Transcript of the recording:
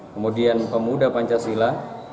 kemudian pemuda pancasila